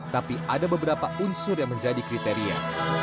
tapi ada beberapa unsur yang menjadi kriteria